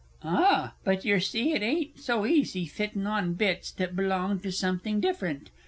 Ah, but yer see it ain't so easy fitting on bits that belonged to something different.